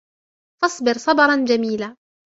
فاصبر صبرا جميلا